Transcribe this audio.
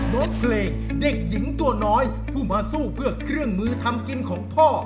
ร้องเพลงเด็กหญิงตัวน้อยผู้มาสู้เพื่อเครื่องมือทำกินของพ่อ